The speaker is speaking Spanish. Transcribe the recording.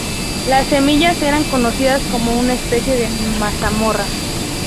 Las semillas eran cocinadas como una especie de mazamorra.